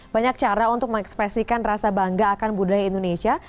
banyak cara untuk mengekspresikan rasa bangga akan budaya indonesia